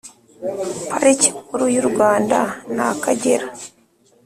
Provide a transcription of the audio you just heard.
pariki nkuru yurwanda ni akagera